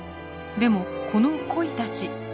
でもこのコイたち